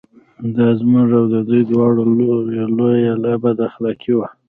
دا زموږ او د دوی دواړو لوریو لویه بد اخلاقي وه.